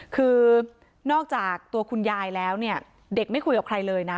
คือนอกจากตัวคุณยายแล้วเนี่ยเด็กไม่คุยกับใครเลยนะ